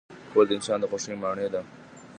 کور د انسان د خوښۍ ماڼۍ ده.